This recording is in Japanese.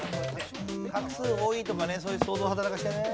画数多いとかねそういう想像働かせてね。